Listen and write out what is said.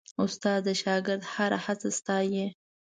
استاد د شاګرد هره هڅه ستايي.